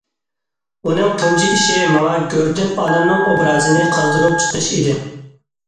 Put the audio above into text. ئۇنىڭ تۇنجى ئىشى ماڭا گۆردىن ئانامنىڭ ئوبرازىنى قازدۇرۇپ چىقىش ئىدى.